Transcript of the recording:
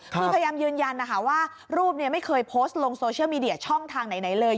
คือพยายามยืนยันนะคะว่ารูปไม่เคยโพสต์ลงโซเชียลมีเดียช่องทางไหนเลย